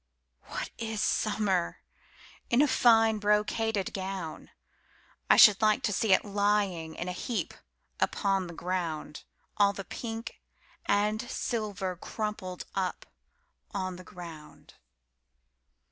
What is Summer in a fine brocaded gown!I should like to see it lying in a heap upon the ground. All the pink and silver crumpled up on the ground.